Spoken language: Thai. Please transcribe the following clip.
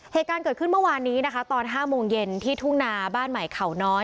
เหตุการณ์เกิดขึ้นเมื่อวานนี้นะคะตอน๕โมงเย็นที่ทุ่งนาบ้านใหม่เขาน้อย